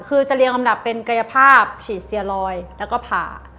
คือจะเรียงลำดับเป็นกายภาพฉีดเตียลอยแล้วก็ผ่า